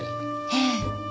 ええ。